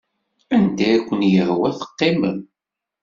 Anda i ken-yehwa teqqimem.